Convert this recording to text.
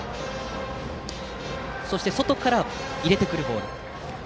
そして外から入れてくるボール。